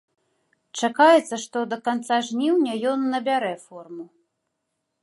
Чакаецца, што да канца жніўня ён набярэ форму.